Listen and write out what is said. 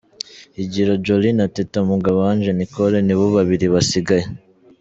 Higiro Joally na Teta Mugabo Ange Nicole nibo babiri basigaye.